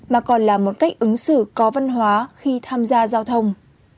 mà còn là một cách ứng xử có văn hóa khi tham gia giao thông